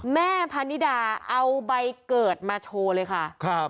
พาณิดาเอาใบเกิดมาโชว์เลยค่ะ